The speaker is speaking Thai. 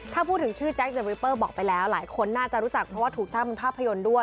ถ้าพูดถึงชื่อแจ๊คเดอริเปอร์บอกไปแล้วหลายคนน่าจะรู้จักเพราะว่าถูกสร้างเป็นภาพยนตร์ด้วย